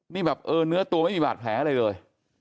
นี่แบบเนื้อตัวไม่มีบาดแผงเลย